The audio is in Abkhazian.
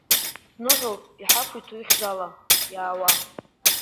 Дныҳәоуп Иҳақәиҭу ихьӡала иаауа!